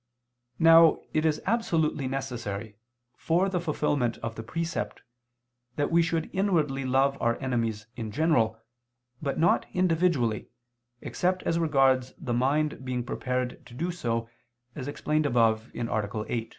Now it is absolutely necessary, for the fulfilment of the precept, that we should inwardly love our enemies in general, but not individually, except as regards the mind being prepared to do so, as explained above (A. 8).